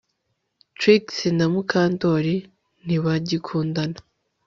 Trix na Mukandoli ntibagikundana